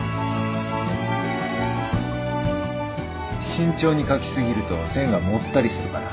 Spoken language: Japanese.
慎重に書き過ぎると線がもったりするから。